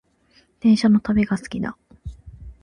電車の旅が好きだ